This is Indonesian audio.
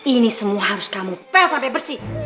ini semua harus kamu pel sampai bersih